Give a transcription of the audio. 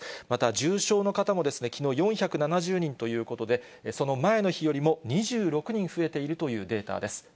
また、重症の方もきのう４７０人ということで、その前の日よりも２６人増えているというデータです。